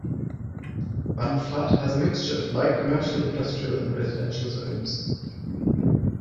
Bang Phlat has a mixture of light commercial, industrial and residential zones.